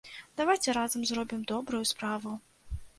Давайце разам зробім добрую справу!